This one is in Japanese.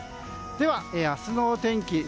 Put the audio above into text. では明日の天気